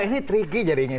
ini tricky jadinya